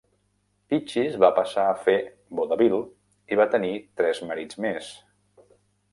Peaches va passar a fer vodevil i va tenir tres marits més..